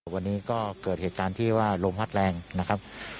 วันนี้ก็เกิดเหตุการณ์ที่ว่าลมพัดแรงนะครับ